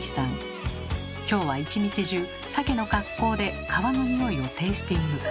今日は一日中サケの格好で川のニオイをテイスティング。